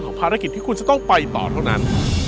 ภารกิจที่คุณจะต้องไปต่อเท่านั้น